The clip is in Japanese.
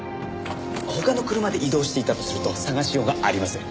他の車で移動していたとすると捜しようがありません。